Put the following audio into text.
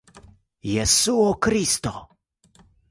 Jesuo Kristo!